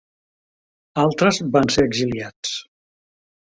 Altres van ser exiliats.